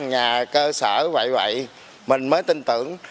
nhà cơ sở vậy vậy mình mới tin tưởng